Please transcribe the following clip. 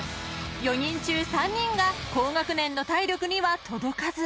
［４人中３人が高学年の体力には届かず］